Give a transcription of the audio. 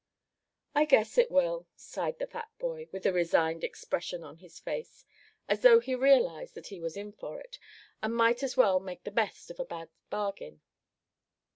"I guess it will," sighed the fat boy, with a resigned expression on his face, as though he realized that he was in for it, and might as well make the best of a bad bargain.